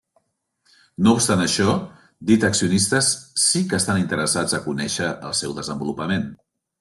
No obstant això, dit accionistes sí que estan interessats a conèixer el seu desenvolupament.